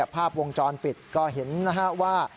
ภาพวงจรปิดก็เห็นนะฮะว่า